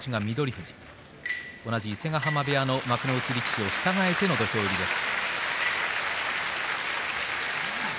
富士同じ伊勢ヶ濱部屋の幕内力士を従えての土俵入りです。